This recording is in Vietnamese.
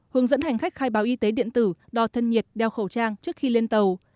hướng dẫn hành khách khai báo y tế điện tử đo thân nhiệt đeo khẩu trang trước khi lên tàu